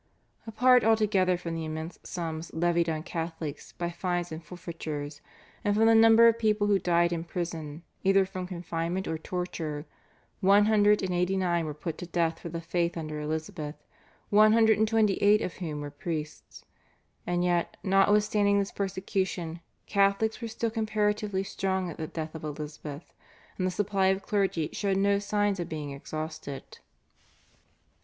Apart altogether from the immense sums levied on Catholics by fines and forfeitures, and from the number of people who died in prison either from confinement or torture, one hundred and eighty nine were put to death for the faith under Elizabeth, one hundred and twenty eight of whom were priests; and yet, notwithstanding this persecution, Catholics were still comparatively strong at the death of Elizabeth, and the supply of clergy showed no signs of being exhausted.